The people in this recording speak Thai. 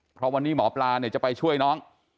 เพราะวันนี้หมอปลาจะไปช่วยน้อง